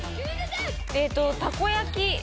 えっと、たこ焼き！